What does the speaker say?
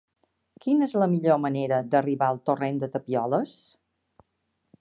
Quina és la millor manera d'arribar al torrent de Tapioles?